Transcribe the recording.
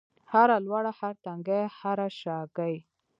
هره لوړه، هر تنګی هره شاګۍ